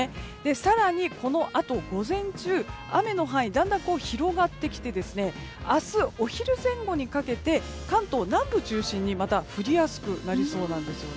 更に、このあと午前中雨の範囲がだんだんと広がってきて明日お昼前後にかけて関東南部中心にまた降りやすくなりそうなんです。